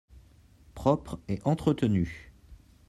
Propre et entretenu.